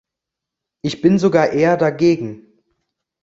Ich bin sogar eher dagegen.